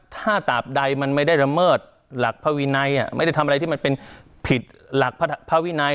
ถ้าตามใดมันไม่ได้ละเมิดหลักภาวินัยไม่ได้ทำอะไรที่มันเป็นผิดหลักภาวินัย